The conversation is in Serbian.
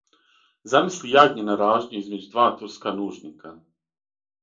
Замисли јагње на ражњу измеђ' два турска нужника.